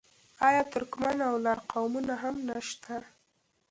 آیا ترکمن او لر قومونه هم نشته؟